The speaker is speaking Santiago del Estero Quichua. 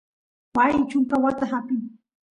waay chunka watas apin